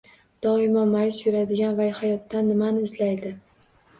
Doimo ma’yus yuradigan va hayotdan nimani izlaydi.